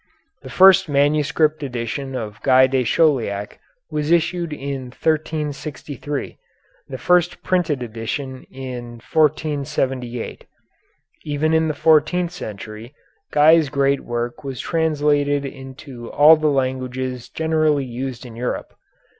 The first manuscript edition of Guy de Chauliac was issued in 1363, the first printed edition in 1478. Even in the fourteenth century Guy's great work was translated into all the languages generally used in Europe.